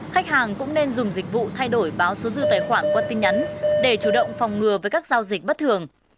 khách hàng cũng nên dùng dịch vụ thay đổi báo số dư tài khoản qua tin nhắn để chủ động phòng ngừa với các giao dịch bất thường